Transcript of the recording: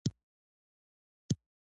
بخښنه کول پکار دي